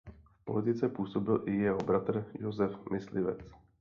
V politice působil i jeho bratr Josef Myslivec.